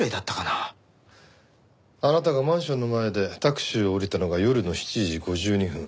あなたがマンションの前でタクシーを降りたのが夜の７時５２分。